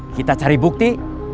kita cari bukti